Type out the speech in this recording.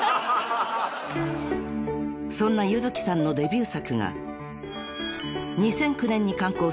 ［そんな柚月さんのデビュー作が］